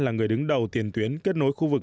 là người đứng đầu tiền tuyến kết nối khu vực